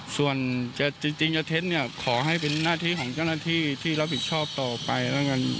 ส่วนจะจริงจะเท็จเนี่ยขอให้เป็นหน้าที่ของเจ้าหน้าที่ที่รับผิดชอบต่อไปแล้วกัน